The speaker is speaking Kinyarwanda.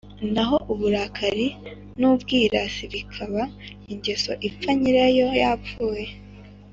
naho uburakari n'ubwirasi bikaba ingeso ipfa nyirayo yapfuye